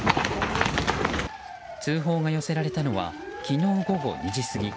通報が寄せられたのは昨日午後２時過ぎ。